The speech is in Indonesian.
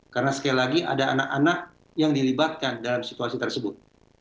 karena sekali lagi ada anak anak yang dilibatkan dalam situasi tersebut